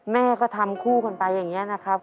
แม่ก็ทำคู่กันไปอย่างนี้นะครับ